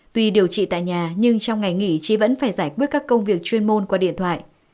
tuy điều trị tại nhà nhưng trong ngày nghỉ chị vẫn phải giải quyết các công việc chuyên môn qua điện thoại